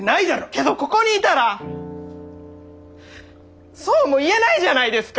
けどここにいたらそうも言えないじゃないですか！